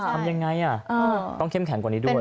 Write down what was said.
ทำยังไงต้องเข้มแข็งกว่านี้ด้วย